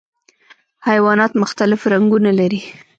حیوانات مختلف رنګونه لري.